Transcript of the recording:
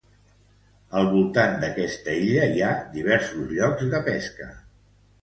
Al voltant d'esta illa hi ha diversos llocs de pesca.